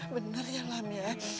benar ya lam ya